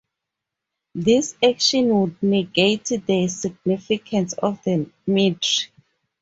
These actions would negate the significance of the mitre.